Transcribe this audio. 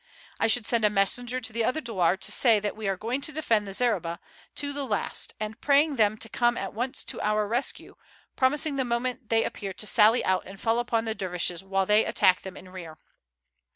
I should send a messenger to the other douar to say that we are going to defend the zareba to the last and praying them to come at once to our rescue, promising the moment they appear to sally out and fall upon the dervishes while they attack them in rear.